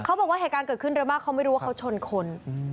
เหตุการณ์เกิดขึ้นเร็วมากเขาไม่รู้ว่าเขาชนคน